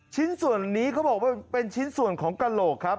ชิ้นส่วนนี้เขาบอกว่าเป็นชิ้นส่วนของกระโหลกครับ